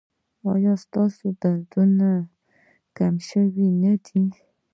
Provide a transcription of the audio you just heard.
ایا ستاسو دردونه کم شوي نه دي؟